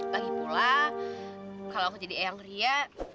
lagipula kalau aku jadi eyang ria